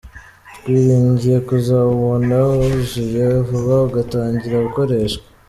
Twiringiye kuzawubona wuzuye vuba ugatangira gukoreshwa.